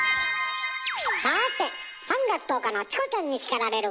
さて３月１０日の「チコちゃんに叱られる！」